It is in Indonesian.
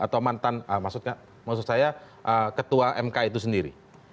atau mantan maksud saya ketua mk itu sendiri